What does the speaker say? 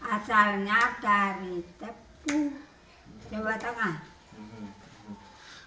asalnya dari tepung jawa tengah